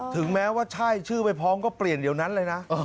ถึงแม้ว่าใช่ชื่อไปพร้อมก็เปลี่ยนเดี๋ยวนั้นเลยนะ